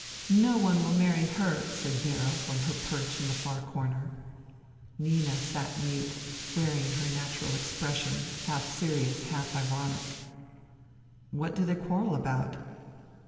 " No one will marry her," said Vera from her perch in the far corner. Nina sat mute, wearing her natural expression half serious, half ironic. " What do they quarrel about